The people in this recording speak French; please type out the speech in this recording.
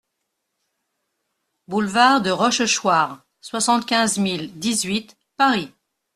Boulevard de Rochechouart, soixante-quinze mille dix-huit Paris